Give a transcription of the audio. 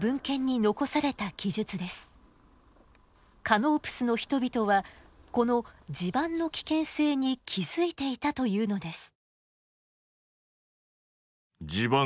カノープスの人々はこの地盤の危険性に気付いていたというのです。